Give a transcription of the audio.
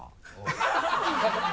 ハハハ